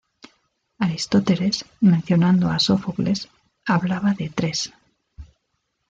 Aristóteles, mencionando a Sófocles, hablaba de tres.